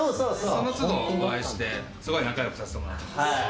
そのつどお会いして、すごい仲よくさせてもらってます。